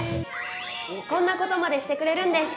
こんなことまでしてくれるんです！